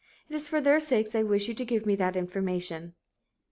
It is for there sakes I wish you to give me that information."